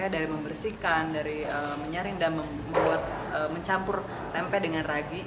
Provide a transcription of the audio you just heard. dari membersihkan dari mencari dan mencampur tempe dengan ragi